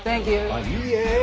あっいいえ。